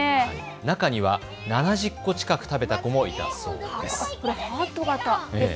中には７０個近く食べた子もいたそうです。